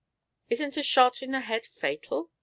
"Isn't a shot in the head fatal?"